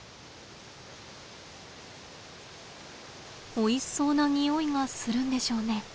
おいしそうなにおいがするんでしょうね。